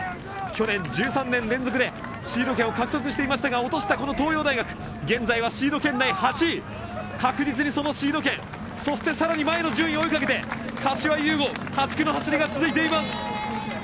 去年、１３年連続でシード権を獲得していましたが落としたこの東洋大学シード圏内８位確実にシード権更にその上の順位を目指して柏優吾８区の走りが続いています。